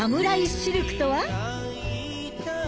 シルクとは？